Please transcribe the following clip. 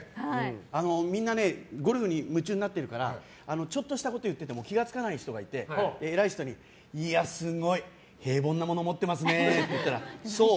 みんなゴルフに夢中になっているからちょっとしたこと言ってても気が付かない人がいて偉い人に、すごい平凡なもの持っていますねって言ったらそう？